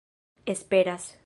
esperas